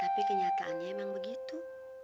tapi kenyataannya emang begitu